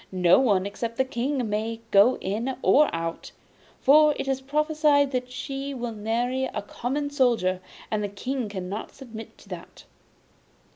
No one except the King may go in or out, for it is prophesied that she will marry a common soldier, and the King cannot submit to that.